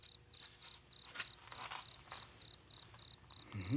うん？